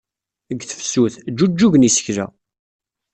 Deg tefsut, ǧǧuǧugen yisekla.